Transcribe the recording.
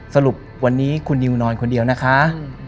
สรุปวันนี้คุณนิวนอนคนเดียวนะคะ